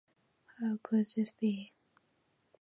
How could this be?